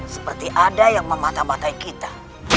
seperti ada yang mematah matahi kita